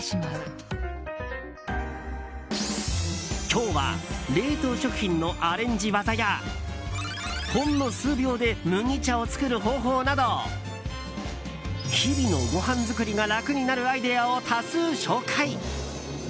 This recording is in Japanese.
今日は冷凍食品のアレンジ技やほんの数秒で麦茶を作る方法など日々のごはん作りが楽になるアイデアを多数紹介。